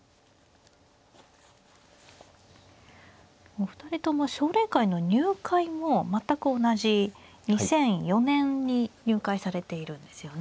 お二人とも奨励会の入会も全く同じ２００４年に入会されているんですよね。